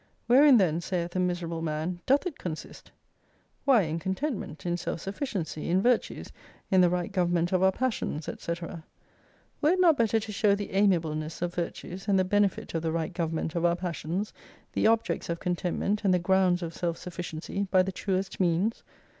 Wherein then, saith a miserable man, doth it consist ? Why in contentment, in self sufficiency, in virtues, in the right government of our passions, &c. Were it not better to show the amiableness of virtues, and the benefit of the right government of our passions, the objects of con tentment, and the grounds of self sufficiency, by the truest means